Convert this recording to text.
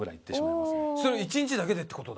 それ１日だけでってことだ。